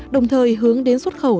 đồng thời hướng đến xuất khẩu